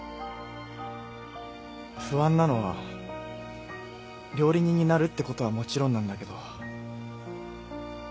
不安なのは料理人になるってことはもちろんなんだけど。